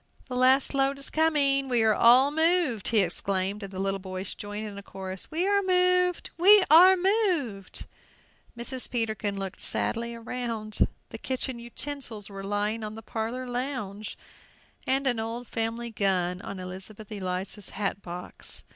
"The last load is coming! We are all moved!" he exclaimed; and the little boys joined in a chorus, "We are moved! we are moved!" Mrs. Peterkin looked sadly round; the kitchen utensils were lying on the parlor lounge, and an old family gun on Elizabeth Eliza's hat box.